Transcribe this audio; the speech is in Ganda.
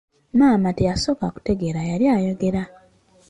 Maama teyasooka kutegeera yali ayogera.